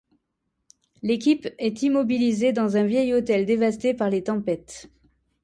L'équipe est immobilisée dans un vieil hôtel dévasté par les tempêtes.